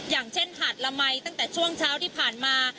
อย่างเช่นหาดละมัยตั้งแต่ช่วงเช้าที่ผ่านมา